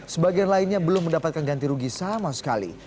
sebagian lainnya belum mendapatkan ganti rugi sama sekali